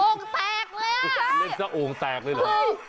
โอ้งแตกเลยอะใช่โอ้งแตกเลยเหรอ